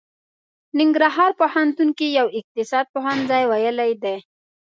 ننګرهار پوهنتون کې يې اقتصاد پوهنځی ويلی دی.